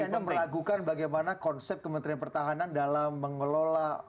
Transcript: jadi anda melakukan bagaimana konsep kementerian pertahanan dalam mengelola